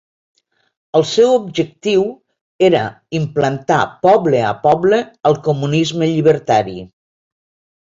El seu objectiu era implantar poble a poble el comunisme llibertari.